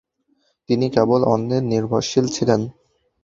তিনি কেবল অন্যের নির্ভরশীল ছিলেন।